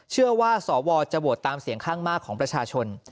เชื่อว่าสวจะโหวตตามเสียงข้างมากของประชาชน